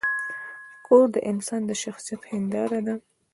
کور د انسان د شخصیت هنداره ده.